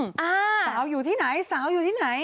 สาวอยู่ที่ไหน